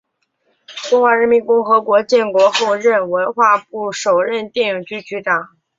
中华人民共和国建国后任文化部首任电影局局长。